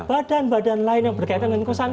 badan badan lain yang berkaitan dengan kosan